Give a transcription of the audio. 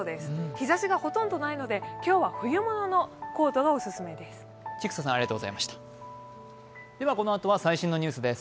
日ざしがほとんどないので今日は冬物のコートがオススメです。